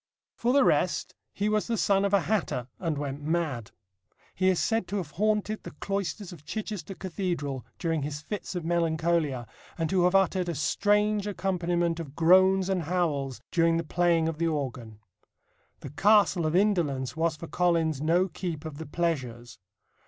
For the rest, he was the son of a hatter, and went mad. He is said to have haunted the cloisters of Chichester Cathedral during his fits of melancholia, and to have uttered a strange accompaniment of groans and howls during the playing of the organ. The Castle of Indolence was for Collins no keep of the pleasures.